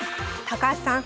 高橋さん